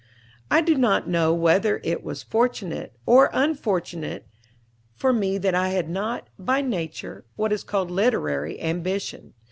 I do not know whether it was fortunate or unfortunate for me that I had not, by nature, what is called literary ambition.